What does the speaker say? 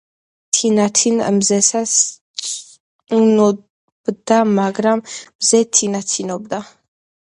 თინათინ მზესა სწუნობდა, მაგრამ მზე თინათინობდა.